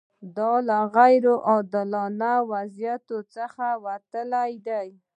دا له غیر عادلانه وضعیت څخه وتل دي.